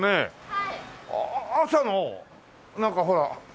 はい。